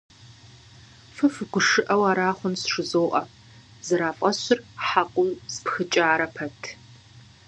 — Фэ фыгушыӀэу ара хъунщ? — жызоӀэ, зэрафӀэщыр хьэкъыу спхыкӀарэ пэт.